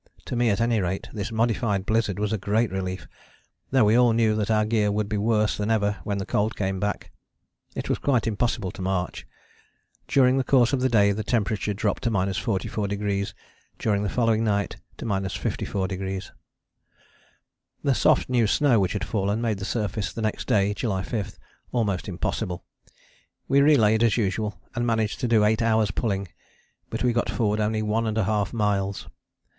To me at any rate this modified blizzard was a great relief, though we all knew that our gear would be worse than ever when the cold came back. It was quite impossible to march. During the course of the day the temperature dropped to 44°: during the following night to 54°. The soft new snow which had fallen made the surface the next day (July 5) almost impossible. We relayed as usual, and managed to do eight hours' pulling, but we got forward only 1½ miles.